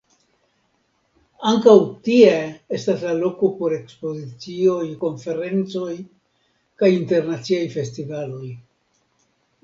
Ankaŭ tie estas la loko por ekspozicioj, konferencoj kaj internaciaj festivaloj.